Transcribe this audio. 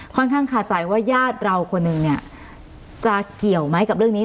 ข้างคาใจว่าญาติเราคนหนึ่งเนี่ยจะเกี่ยวไหมกับเรื่องนี้